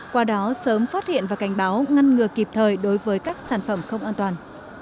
qua đó sớm phát hiện và cảnh báo ngăn ngừa kịp thời đối với các sản phẩm không an toàn